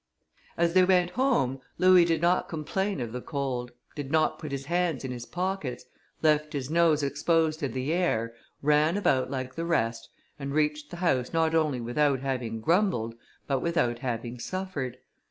As they went home, Louis did not complain of the cold, did not put his hands in his pockets, left his nose exposed to the air, ran about like the rest, and reached the house not only without having grumbled, but without having suffered.